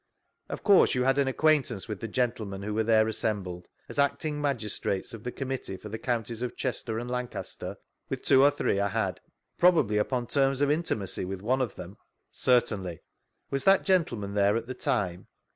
Of course you had an acquaintance with the gentlemen who were thetie assembled, as acting magistrates of the committee for the counties of Chester and Lancaster ?— With two or three I had. Probably upon terms <rf' intimacy with one of them ?— Certainly. Was that gentleman there at that time